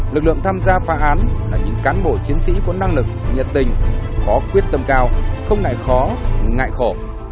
lực lượng tham gia phá án là những cán bộ chiến sĩ có năng lực nhiệt tình có quyết tâm cao không ngại khó ngại khổ